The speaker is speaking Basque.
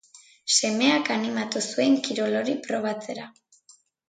Semeak animatu zuen kirol hori probatzera.